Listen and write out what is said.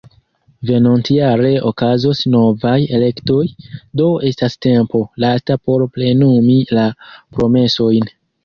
Venontjare okazos novaj elektoj, do estas tempo lasta por plenumi la promesojn.